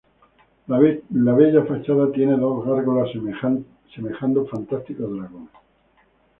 La bella fachada tiene dos gárgolas semejando fantásticos dragones.